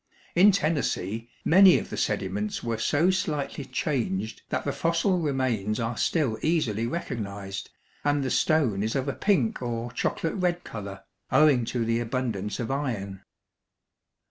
In Tennessee, many of the sediments were so slightly changed that the fossil remains are still easily recognized, and the stone is of a pink or chocolate red color, owing to the abundance of iron.